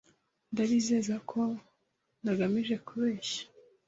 Ndabizeza ko ntagamije kubeshya.